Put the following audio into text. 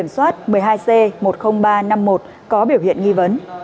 soát một mươi hai c một mươi nghìn ba trăm năm mươi một có biểu hiện nghi vấn